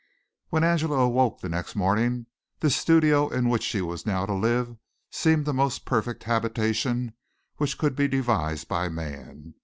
When Angela awoke the next morning, this studio in which she was now to live seemed the most perfect habitation which could be devised by man.